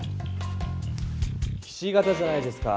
ひし形じゃないですか。